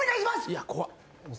いや怖っ。